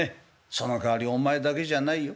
そのかわりお前だけじゃないよ。